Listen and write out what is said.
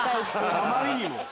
あまりにも。